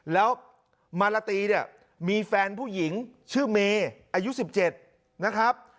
แล้วมาลาตีเนี่ยมีแฟนผู้หญิงชื่อเมย์อายุ๑๗นะครับ